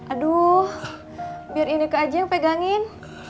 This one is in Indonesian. aduh biar ini ke aja yang pegangin